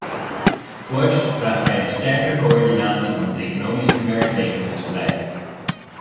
Voorts vragen wij een sterkere coördinatie van het economisch en werkgelegenheidsbeleid.